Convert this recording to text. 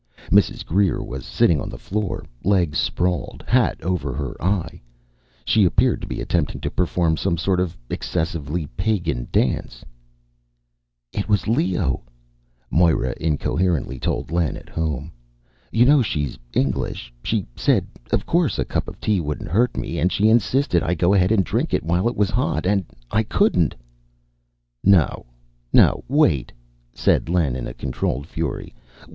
Mrs. Greer was sitting on the floor, legs sprawled, hat over her eye. She appeared to be attempting to perform some sort of excessively pagan dance. "It was Leo," Moira incoherently told Len at home. "You know she's English she said of course a cup of tea wouldn't hurt me, and she insisted I go ahead and drink it while it was hot, and I couldn't " "No, no wait," said Len in a controlled fury.